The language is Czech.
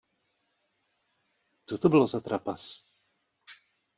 Co to bylo za trapas?